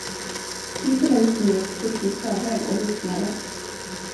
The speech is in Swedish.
Gisela gick nu ett stycke i förväg och visslade.